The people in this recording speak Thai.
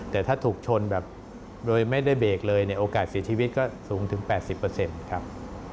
แต่ถ้าถูกชนแบบโดยไม่ได้เบรกเลยโอกาสสีทีวิตก็สูงถึง๘๐เปอร์เซ็นต์ครับ